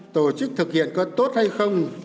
tổ chức thực hiện có tốt hay không